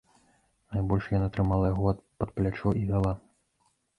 Найбольш яна трымала яго пад плячо і вяла.